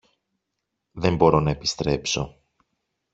Δεν μπορώ να επιστρέψω.